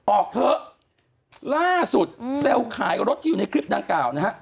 ออกเถอะล่าสุดเซลล์ขายรถที่อยู่ในคลิปดังกล่าวนะฮะ